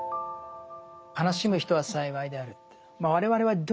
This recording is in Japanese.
「悲しむ人は幸いである」と。